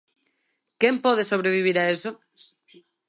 Quen pode sobrevivir a eso?